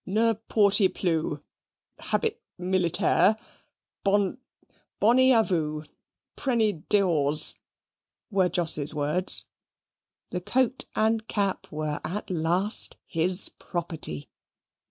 "Ne porty ploo habit militair bonn bonny a voo, prenny dehors" were Jos's words the coat and cap were at last his property.